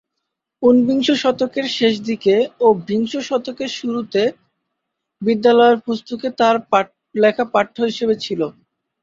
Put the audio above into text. উনবিংশ শতকের শেষদিকে ও বিংশ শতকের শুরুতে বিদ্যালয়ের পুস্তকে তার লেখা পাঠ্য হিসেবে ছিল।